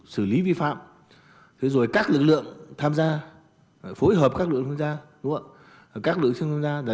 xử lý vi phạm các lực lượng tham gia phối hợp các lực lượng tham gia